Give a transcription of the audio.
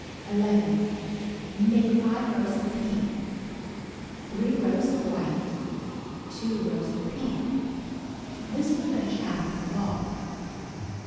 11. Make 5 rows of pink. 3 rows of white. 2 rows of pink. This will finish half of the ball.